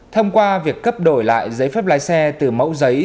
thông qua việc cấp đổi lại giấy phép lái xe từ mẫu giấy